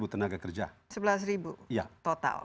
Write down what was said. tenaga kerja sebelas total